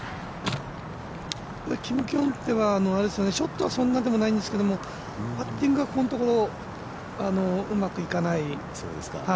キム・キョンテはショットはそんなでもないんですけどパッティングがここのところうまくいかない。